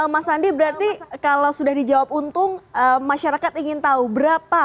mas andi berarti kalau sudah dijawab untung masyarakat ingin tahu berapa